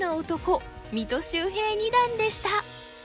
三戸秀平二段でした！